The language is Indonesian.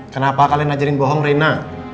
kenapa kalian ngajarin bohong rena